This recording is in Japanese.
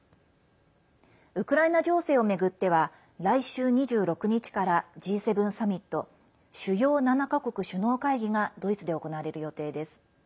ウクライナ情勢を巡っては来週２６日からＧ７サミット主要７か国首脳会議がドイツで行われる予定です。